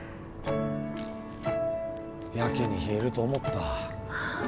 やけに冷えると思った。